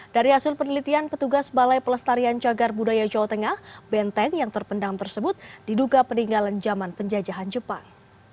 dari hasil penelitian petugas balai pelestarian cagar budaya jawa tengah benteng yang terpendam tersebut diduga peninggalan zaman penjajahan jepang